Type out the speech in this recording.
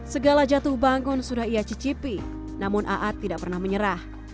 segala jatuh bangun sudah ia cicipi namun aad ⁇ tidak pernah menyerah